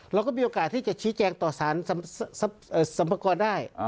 เราก็มีโอกาสที่จะชี้แจงต่อสารสรรพากรได้